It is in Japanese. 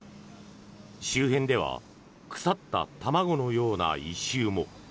周辺では腐った卵のような異臭も。